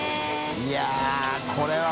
いやこれは。